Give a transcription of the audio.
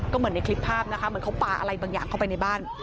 ก็เหมือนในคลิปภาพนะคะเหมือนเขาปลาอะไรบางอย่างเข้าไปในบ้าน